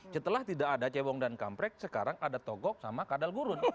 setelah tidak ada cebong dan kamprek sekarang ada togok sama kadal gurun